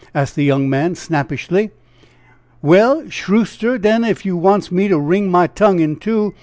'" asked the young man, snappishly. "Well, Shrooster, den, ef you wants me to wring my tongue in two.